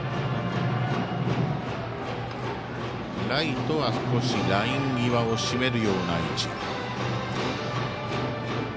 ライトは少しライン際を締めるような位置。